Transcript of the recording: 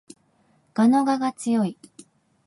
蛾の我が強い